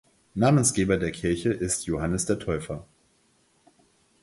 Namensgeber der Kirche ist Johannes der Täufer.